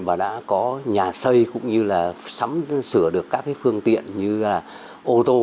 và đã có nhà xây cũng như là sắm sửa được các phương tiện như là ô tô